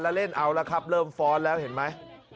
แล้วเล่นเอาแล้วครับเริ่มฟ้อนแล้วเห็นไหม